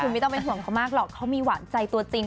ไม่ต้องเป็นห่วงเขามากหรอกเขามีหวานใจตัวจริง